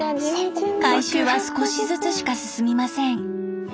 改修は少しずつしか進みません。